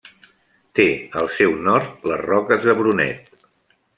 Té al seu nord les Roques de Brunet.